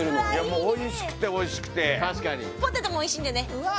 もうおいしくておいしくて確かにポテトもおいしいんだよねうわ